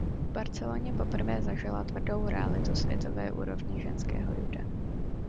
V Barceloně poprvé zažila tvrdou realitu světové úrovně ženského juda.